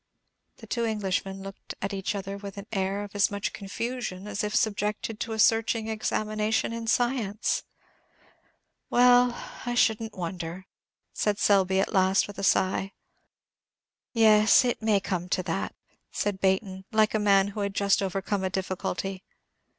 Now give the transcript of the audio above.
The two Englishmen looked at each other with an air of as much confusion as if subjected to a searching examination in science. "Well, I shouldn't wonder," said Selby, at last, with a sigh. "Yes, it may come to that," said Baynton, like a man who had just overcome a difficulty.